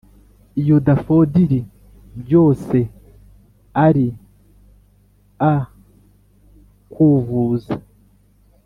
iyo daffodili byose ari a-kuvuza,